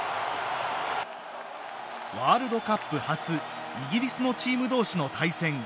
ワールドカップ初イギリスのチーム同士の対戦。